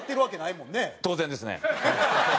当然ですね。